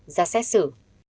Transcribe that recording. ra xét xử